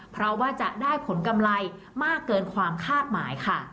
เพราะว่าจะได้ผลกำไรมากเกินความคาดหมายค่ะ